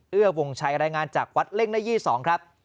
วงชัยรายงานจากวัดเล่งหน้ายี่๒ครับ